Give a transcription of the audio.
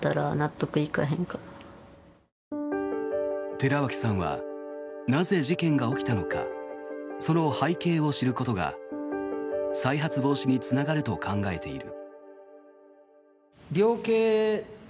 寺脇さんはなぜ、事件が起きたのかその背景を知ることが再発防止につながると考えている。